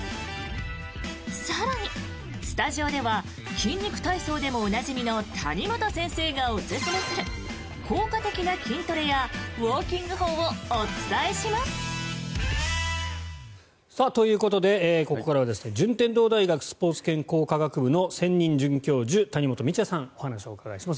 更に、スタジオでは筋肉体操でもおなじみの谷本先生がおすすめする効果的な筋トレやウォーキング法をお伝えします。ということでここからは順天堂大学スポーツ健康科学部の先任准教授谷本道哉さんにお話をお伺いします。